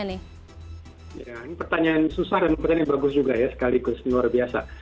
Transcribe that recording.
ini pertanyaan susah dan pertanyaan yang bagus juga ya sekaligus luar biasa